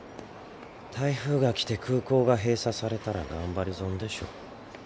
台風が来て空港が閉鎖されたら頑張り損でしょ。